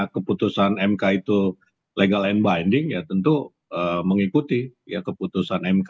keputusan mk itu legal and binding ya tentu mengikuti keputusan mk